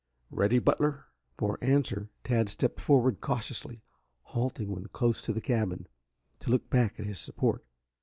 "Ready, Butler?" For answer Tad stepped forward cautiously, halting when close to the cabin, to look back at his support.